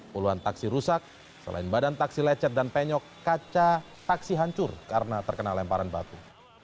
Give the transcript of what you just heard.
puluhan taksi rusak selain badan taksi lecet dan penyok kaca taksi hancur karena terkena lemparan batu